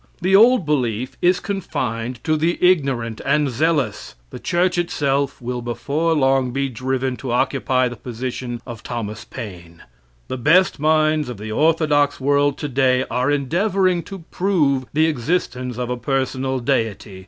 The old belief is confined to the ignorant and zealous. The church itself will before long be driven to occupy the position of Thomas Paine. The best minds of the orthodox world, today, are endeavoring to prove the existence of a personal Deity.